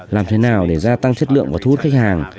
làm thế nào để gia tăng chất lượng và thu hút khách hàng